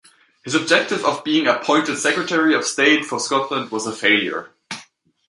His objective of being appointed Secretary of State for Scotland was a failure.